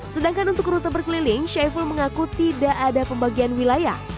sedangkan untuk rute berkeliling syaiful mengaku tidak ada pembagian wilayah